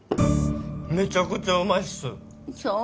めちゃくちゃうまいっすそう？